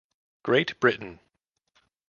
Great Britain